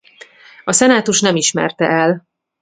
A szenátus nem ismerte el.